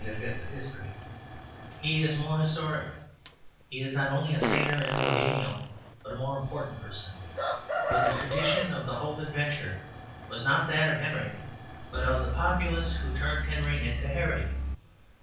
of history; yet he is more historic. He is not only a saner and more genial but a more important person. For the tradition of the whole adventure was not that of Henry, but of the populace who turned Henry into Harry.